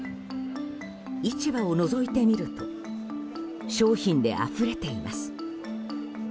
市場をのぞいてみると商品であふれています。